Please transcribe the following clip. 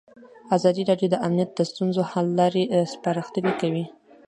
ازادي راډیو د امنیت د ستونزو حل لارې سپارښتنې کړي.